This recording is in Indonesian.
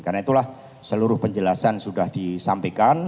karena itulah seluruh penjelasan sudah disampaikan